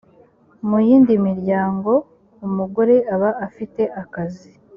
mu yindi miryango umugore aba afite akazi